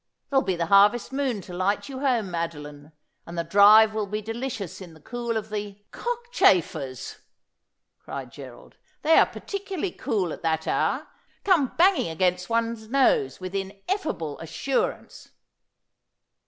There'll be the harvest moon to light you home, Madoline, and the drive will be delicious in the cool of the '' Cockchafers,' cried Gerald. ' They are particularly cool at that hour — come banging against one's nose with ineffable assurance.'